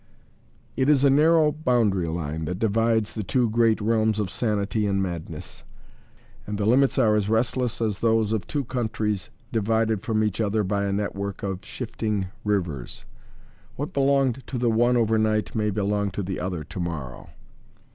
It is a narrow boundary line, that divides the two great realms of sanity and madness. And the limits are as restless as those of two countries divided from each other by a network of shifting rivers. What belonged to the one overnight may belong to the other to morrow.